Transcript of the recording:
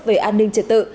về an ninh trật tự